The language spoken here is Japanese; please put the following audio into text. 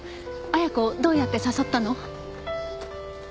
亜矢子をどうやって誘ったの？